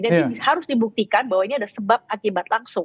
jadi kita harus menghukum orang karena dugaan